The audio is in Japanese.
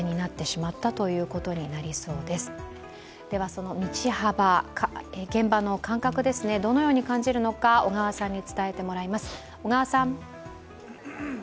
その道幅、現場の感覚ですね、どのように感じるのか、小川さんに伝えてもらいます。